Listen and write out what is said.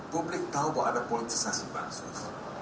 publik tahu bahwa ada politisasi pansus